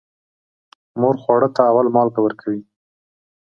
مور خواره ته اول مالګه ورکوي.